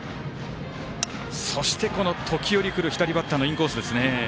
そして時折くる左バッターへのインコースですね。